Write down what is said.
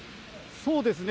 そうですね。